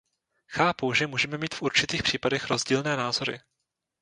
Chápu, že můžeme mít v určitých případech rozdílné názory.